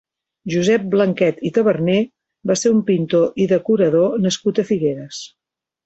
Josep Blanquet i Taberner va ser un pintor i decorador nascut a Figueres.